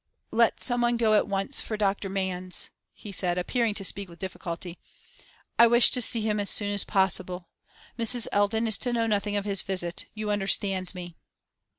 'Let someone go at once for Dr. Manns,' he said, appearing to speak with difficulty. 'I wish to see him as soon as possible. Mrs. Eldon is to know nothing of his visit you understand me!